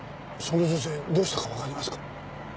その女性どうしたかわかりますか？